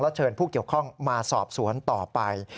เชิญผู้เกี่ยวข้องมาสอบสวนต่อไป